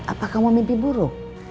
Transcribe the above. apa kamu mimpi buruk